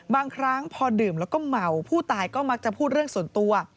บางครั้งพอดื่มแล้วก็เมาผู้ตายก็มักจะพูดเรื่องส่วนตัว